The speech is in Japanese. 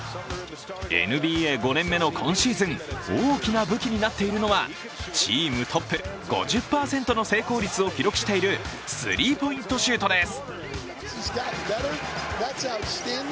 ＮＢＡ５年目の今シーズン大きな武器になっているのはチームトップ５０％の成功率を記録しているスリーポイントシュートです。